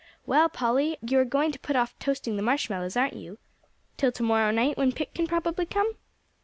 "Well, Polly, you are going to put off toasting the marshmallows, aren't you, till to morrow night, when Pick can probably come?"